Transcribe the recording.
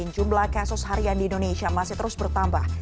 jumlah kasus harian di indonesia masih terus bertambah